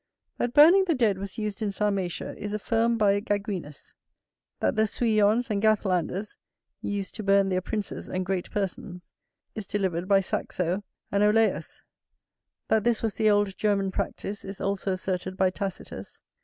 That burning the dead was used in Sarmatia is affirmed by Gaguinus; that the Sueons and Gathlanders used to burn their princes and great persons, is delivered by Saxo and Olaus; that this was the old German practice, is also asserted by Tacitus.